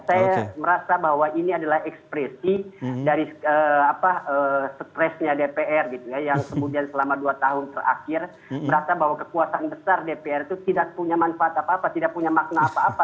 saya merasa bahwa ini adalah ekspresi dari stresnya dpr gitu ya yang kemudian selama dua tahun terakhir merasa bahwa kekuasaan besar dpr itu tidak punya manfaat apa apa tidak punya makna apa apa